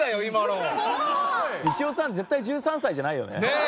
みちおさん絶対１３歳じゃないよね。